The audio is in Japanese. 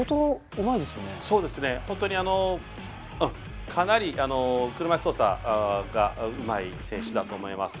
本当にかなり車いす操作がうまい選手だと思います。